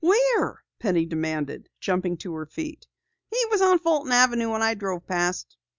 "Where?" Penny demanded, jumping to her feet. "He was on Fulton Avenue when I drove past."